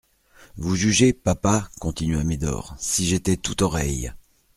«, Vous jugez, papa, continua Médor, si j'étais tout oreilles.